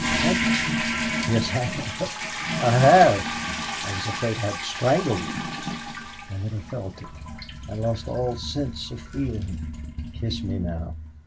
"Have you?" "Yes I have I have.... I was afraid I'd strangled you!" "I never felt it. I lost all sense of feeling.... Kiss me now!